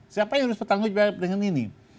siapa yang harus bertanggung jawab dengan ini